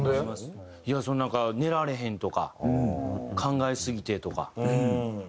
そのなんか寝られへんとか考えすぎてとか。